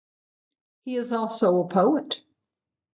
He is also a poet.